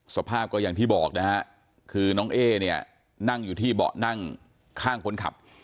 สภาพก็อย่างที่บอกนะฮะคือน้องเอ๊เนี่ยนั่งอยู่ที่เบาะนั่งข้างคนขับ